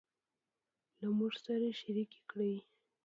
له موږ سره شريکې کړي